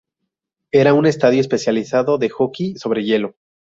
Era un estadio especializado en el hockey sobre hielo.